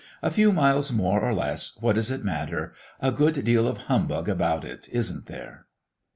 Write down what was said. A few miles more or less what does it matter? A good deal of humbug about it, isn't there?"